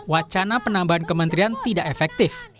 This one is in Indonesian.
wacana penambahan kementerian tidak efektif